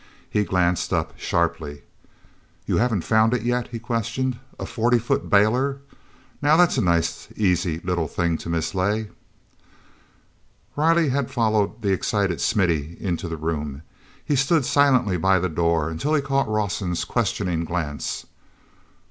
He glanced up sharply. "You haven't found it yet?" he questioned. "A forty foot bailer! Now that's a nice easy little thing to mislay." Riley had followed the excited Smithy into the room; he stood silently by the door until he caught Rawson's questioning glance.